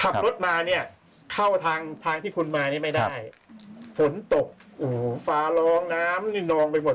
ขับรถมาเนี่ยเข้าทางทางที่คุณมานี่ไม่ได้ฝนตกโอ้โหฟ้าร้องน้ำนี่นองไปหมด